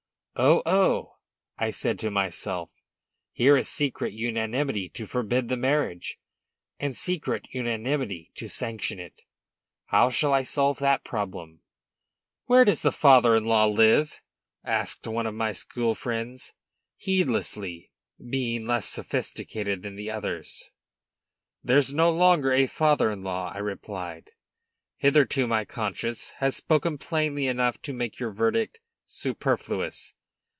"Oh, oh!" I said to myself, "here is secret unanimity to forbid the marriage, and secret unanimity to sanction it! How shall I solve that problem?" "Where does the father in law live?" asked one my school friends, heedlessly, being less sophisticated than the others. "There's no longer a father in law," I replied. "Hitherto, my conscience has spoken plainly enough to make your verdict superfluous.